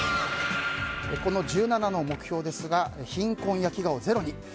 この１７の目標ですが「貧困や飢餓をゼロに」。